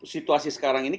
situasi sekarang ini